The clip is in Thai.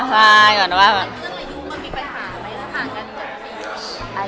คุยกันนะคะ